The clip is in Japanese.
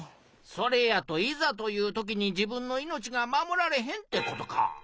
それやといざというときに自分の命が守られへんってことか。